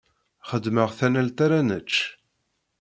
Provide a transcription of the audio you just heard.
Xedmeɣ-d tanalt ara nečč.